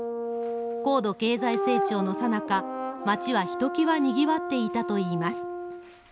高度経済成長のさなか、町はひときわにぎわっていたといいます。